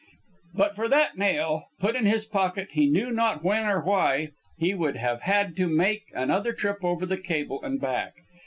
But for that nail, put in his pocket he knew not when or why, he would have had to make another trip over the cable and back.